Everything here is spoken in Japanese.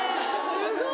すごい！